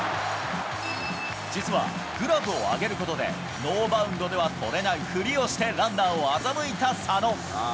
実はグラブを上げることで、ノーバウンドでは捕れない振りをしてランナーを欺いた佐野。